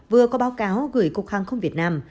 vừa có báo cáo gửi cục hàng không việt nam